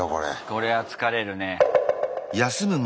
これは疲れるね。